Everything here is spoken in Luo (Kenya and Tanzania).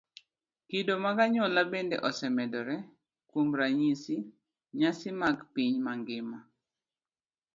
Kido mag anyuola bende osemedore. Kuom ranyisi, nyasi mag piny mangima